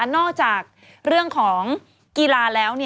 นอกจากเรื่องของกีฬาแล้ว